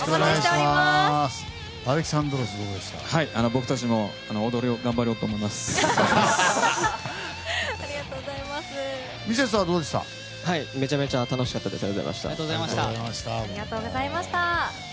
僕たちも踊りを頑張ろうと思います。